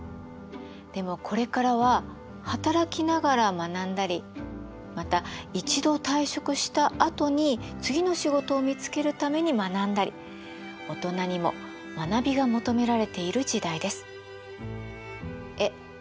でもこれからは働きながら学んだりまた一度退職したあとに次の仕事を見つけるために学んだりオトナにも学びが求められている時代です。え？